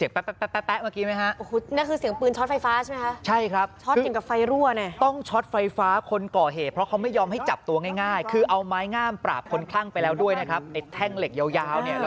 เพื่อจะเข้าใจหลังก็มาไปใหล